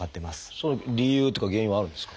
その理由っていうか原因はあるんですか？